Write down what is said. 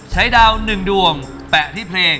ใช้ดาวหนึ่งดวงแปะที่เพลง